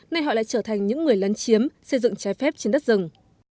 nay họ lại trở thành những người lấn chiếm xây dựng trái phép trên đất rừng